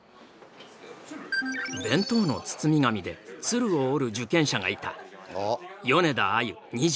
弁当の包み紙で鶴を折る受験者がいた。